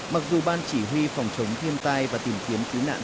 mặc dù ban chỉ huy phòng chống thiêm tai và tìm kiếm khu vực